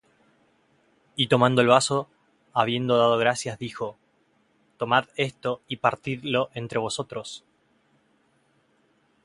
Y tomando el vaso, habiendo dado gracias, dijo: Tomad esto, y partidlo entre vosotros;